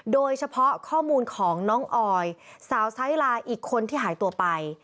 โดยเฉพาะข้อมูลของน้องออยสาวไซส์ลาอีกคนที่หายตัวไป